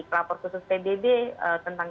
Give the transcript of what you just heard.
kelapor khusus pbb tentang